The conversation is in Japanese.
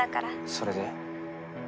それで？